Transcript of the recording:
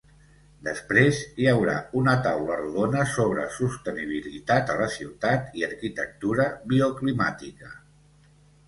Després, hi haurà una taula rodona sobre sostenibilitat a la ciutat i arquitectura bioclimàtica.